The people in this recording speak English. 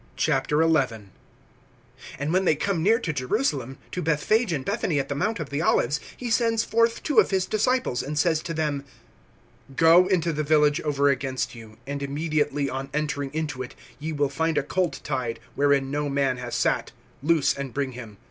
XI. AND when they come near to Jerusalem, to Bethphage and Bethany at the mount of the Olives, he sends forth two of his disciples, (2)and says to them: Go into the village over against you; and immediately, on entering into it, ye will find a colt tied, whereon no man has sat; loose and bring him.